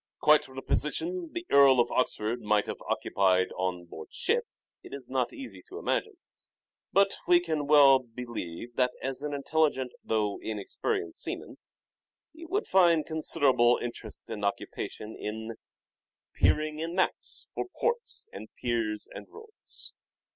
. Quite what position the Earl of Oxford might have occupied on board ship it is not easy to imagine ; but we can well believe that as an intelligent though inexperienced seaman he would find considerable interest and occupation, in " Peering in maps for ports and piers and roads."